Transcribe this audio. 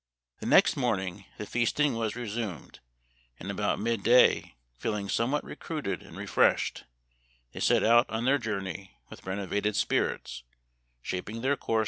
" The next morning the feasting was re sumed, and about midday, feeling somewhat recruited and refreshed, they set out on their journey with renovated spirits, shaping their course